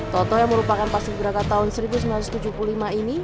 toto yang merupakan paski beraka tahun seribu sembilan ratus tujuh puluh lima ini